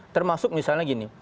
termasuk misalnya gini